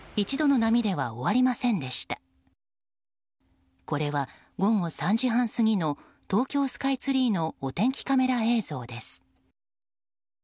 これは、午後３時半過ぎの東京スカイツリーのお天気カメラ映像です。